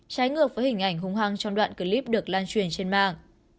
trái ngược với hình ảnh hùng hăng trong đoạn clip được lan truyền trên mạng